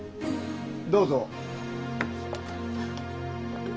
どうぞ。